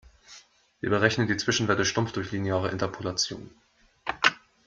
Wir berechnen die Zwischenwerte stumpf durch lineare Interpolation.